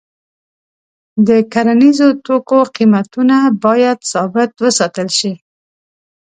د کرنیزو توکو قیمتونه باید ثابت وساتل شي.